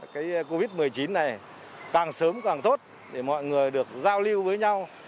cái covid một mươi chín này càng sớm càng tốt để mọi người được giao lưu với nhau